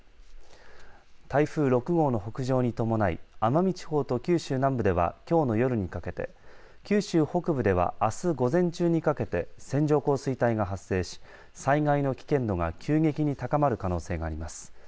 台風６号の北上に伴い奄美地方と九州南部ではきょうの夜にかけて九州北部ではあす午前中にかけて線状降水帯が発生し災害の危険度が急激に高まる可能性があります。